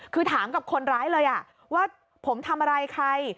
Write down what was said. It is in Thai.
คือถามกับคนร้ายเลยว่าผมทำอะไรใคร